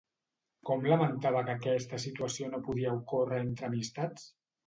Com lamentava que aquesta situació no podia ocórrer entre amistats?